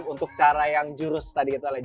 untuk cara yang jurus tadi kita lihat